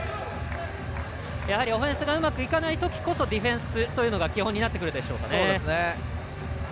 やはりオフェンスがうまくいかないときこそディフェンスというのが基本になってくるでしょうか。